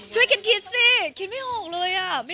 ช่วยคิดคิดสิคิดไม่หิ่งเลย